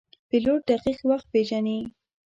پیلوټ دقیق وخت پیژني.